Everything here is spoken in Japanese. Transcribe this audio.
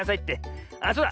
ああそうだ。